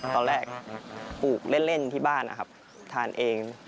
ปลูกเล่นที่บ้านนะครับทานเอง